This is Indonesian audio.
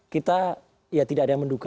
kita ya tidak ada yang menduga ya